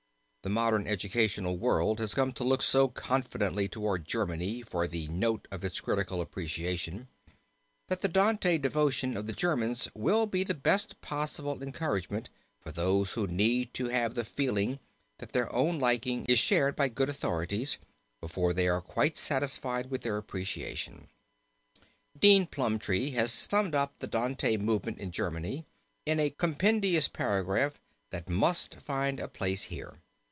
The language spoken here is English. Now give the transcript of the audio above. The modern educational world has come to look so confidently toward Germany for the note of its critical appreciation, that the Dante devotion of the Germans will be the best possible encouragement for those who need to have the feeling, that their own liking is shared by good authorities, before they are quite satisfied with their appreciation. Dean Plumptre has summed up the Dante movement in Germany in a compendious paragraph that must find a place here.